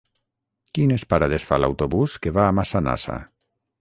Quines parades fa l'autobús que va a Massanassa?